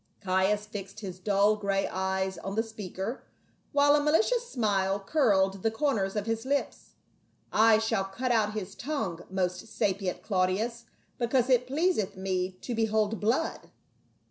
Caius fixed his dull gray eyes on the speaker, while a malicious smile curled the corners of his lips. " I shall cut out his tongue, most sapient Claudius, because it pleaseth me to behold blood."